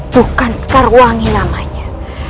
bukan sekarwangi namanya